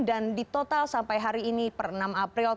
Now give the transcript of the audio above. dan ditotal sampai hari ini per enam april